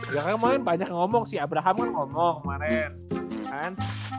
yang kemarin banyak ngomong sih abraham kan ngomong kemarin